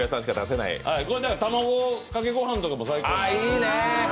卵かけご飯とかも最高。